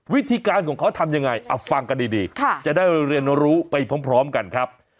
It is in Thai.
วิธีการของเขาทำยังไงฟังกันดีจะได้เรียนรู้ไปพร้อมกันครับ